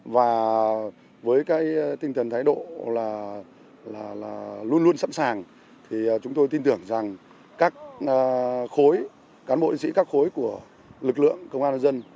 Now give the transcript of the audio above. và với cái tinh thần thái độ là luôn luôn sẵn sàng thì chúng tôi tin tưởng rằng các khối cán bộ diễn các khối của lực lượng công an nhân dân